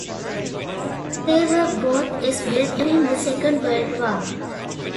They were both s built during the Second World War.